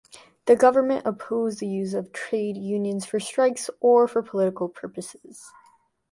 The government opposed the use of trade unions for strikes or for political purposes.